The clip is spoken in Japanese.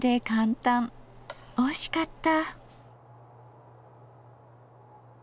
おいしかった。